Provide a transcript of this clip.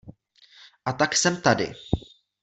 A tak jsem tady.